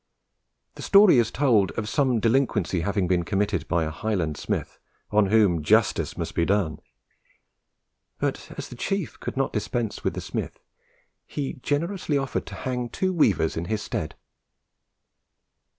The story is told of some delinquency having been committed by a Highland smith, on whom justice must be done; but as the chief could not dispense with the smith, he generously offered to hang two weavers in his stead!